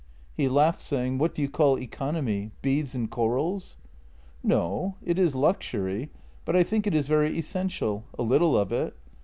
He laughed, saying :" What do you call economy — beads and corals? " "No; it is luxury, but I think it is very essential — a little of it.